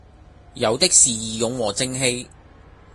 有的是義勇和正氣。